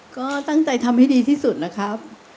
ก็ตั้งใจทำให้ดีที่สุดนะครับ